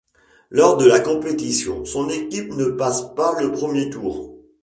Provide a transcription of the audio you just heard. Lors de la compétition, son équipe ne passe pas le premier tour.